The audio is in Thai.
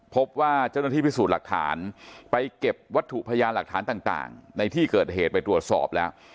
พบว่าเจ้าหน้าที่พิสูจน์หลักฐานไปเก็บวัตถุพยานหลักฐานต่างในที่เกิดเหตุไปตรวจสอบแล้ว